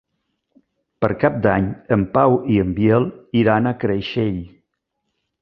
Per Cap d'Any en Pau i en Biel iran a Creixell.